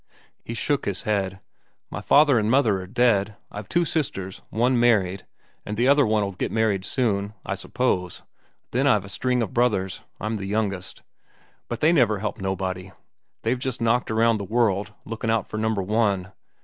He shook his head. "My father and mother are dead. I've two sisters, one married, an' the other'll get married soon, I suppose. Then I've a string of brothers,—I'm the youngest,—but they never helped nobody. They've just knocked around over the world, lookin' out for number one.